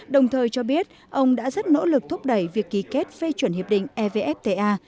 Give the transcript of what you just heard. đồng thời cho biết ông đã rất nỗ lực thúc đẩy việc ký kết phê chuẩn hiệp định evfta